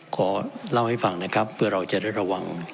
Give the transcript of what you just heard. ขอเล่าให้ฟังนะครับเพื่อเราจะได้ระวัง